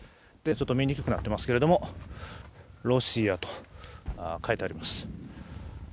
ちょっと見にくくなっていますけれども、「ロシア」と書いてあります。